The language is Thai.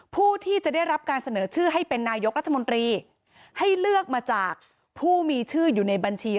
ผู้ที่จะได้รับการเสนอชื่อให้เป็นนายกรัฐมนตรีให้เลือกมาจากผู้มีชื่ออยู่ในบัญชี